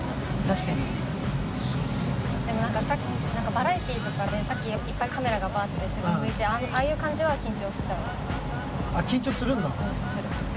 確かにでも何かバラエティとかでさっきいっぱいカメラがバーって自分向いてああいう感じは緊張しちゃうあ緊張するんだうんする